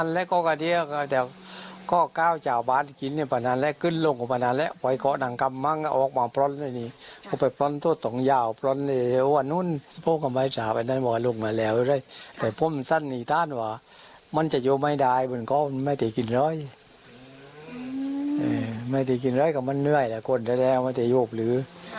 ไม่ได้กินร้อยไม่ได้กินร้อยก็มันเหนื่อยแหละคนแท้ไม่ได้หยุบหรือ